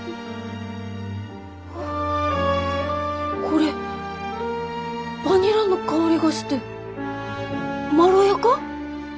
これバニラの香りがしてまろやか？